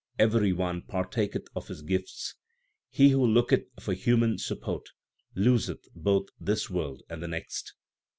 Every one partaketh of His Gifts. (He who looketh for human support Loseth both this world and the next.